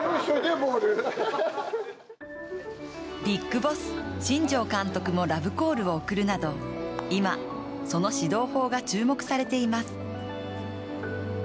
ビッグボス・新庄監督もラブコールを送るなど今、その指導法が注目されています。